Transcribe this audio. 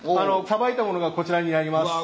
さばいたものがこちらになります。